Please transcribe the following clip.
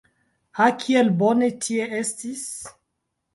Ha, kiel bone tie estis!